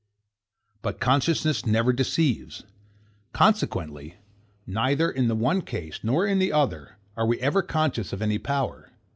But consciousness never deceives. Consequently, neither in the one case nor in the other, are we ever conscious of any power.